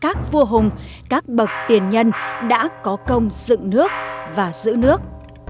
các vua hùng các bậc tiền nhân đã có công dựng nước và giữ nước